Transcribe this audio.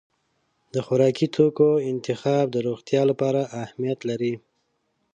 د خوراکي توکو انتخاب د روغتیا لپاره اهمیت لري.